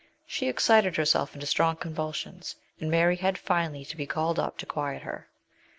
She excited herself into strong convulsions, and Mary had finally to be called up to quiet her.